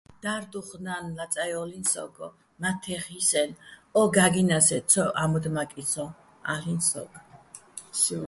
და́რდუხ ნა́ნ ლაწაჲოლინი̆ სო́გო, მათთეხ ჲსენო̆ ო გა́გჲნასე́ ცო ჺამოდმაკისონ-ალ'იჼ სო́გო̆.